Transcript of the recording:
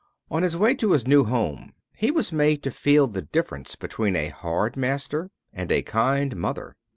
On his way to his new home he was made to feel the difference between a hard master and a kind mother.